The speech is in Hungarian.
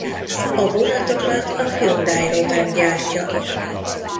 A vonatokat a Hyundai Rotem gyártja.